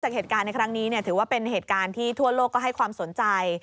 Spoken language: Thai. เหตุการณ์ในครั้งนี้ถือว่าเป็นเหตุการณ์ที่ทั่วโลกก็ให้ความสนใจ